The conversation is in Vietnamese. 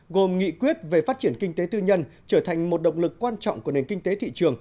gồm nghị quyết về phát triển kinh tế tư nhân trở thành một động lực quan trọng của nền kinh tế thị trường